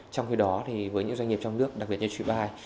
trong khi đó với những doanh nghiệp trong nước đặc biệt như trụi bài